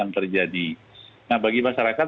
nah bagi masyarakat